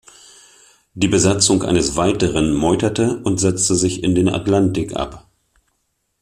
Die Besatzung eines weiteren meuterte und setzte sich in den Atlantik ab.